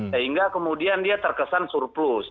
sehingga kemudian dia terkesan surplus